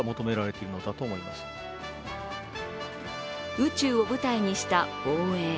宇宙を舞台にした防衛。